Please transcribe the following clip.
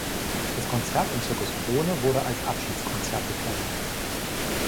Das Konzert im Circus Krone wurde als Abschiedskonzert deklariert.